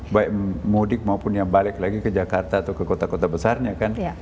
baik mudik maupun yang balik lagi ke jakarta atau ke kota kota besarnya kan